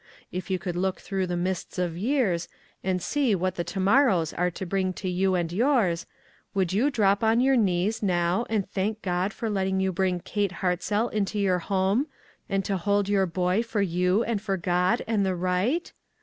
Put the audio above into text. If you could look through the mists of years, and see what the to mor rows are to bring to you and yours, would you drop on your knees now and thank God for letting you bring Kate Hartzell into your home, to hold your boy for you, and for God and the right?